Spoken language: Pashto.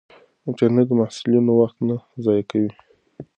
انټرنیټ د محصلینو وخت نه ضایع کوي.